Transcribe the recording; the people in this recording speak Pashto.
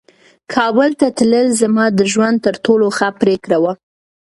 کابل ته تلل زما د ژوند تر ټولو ښه پرېکړه وه.